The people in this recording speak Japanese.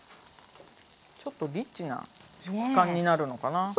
ちょっとリッチな食感になるのかな？